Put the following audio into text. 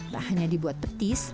bahannya dibuat petis